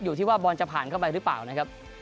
อยู่ที่ว่าบอลจะผ่านเข้าไปหรือเปล่านะครับ